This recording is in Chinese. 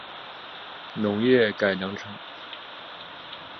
农业改良场